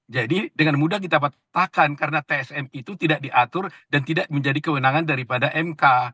jadi dengan mudah kita petahkan karena tsm itu tidak diatur dan tidak menjadi kewenangan daripada mk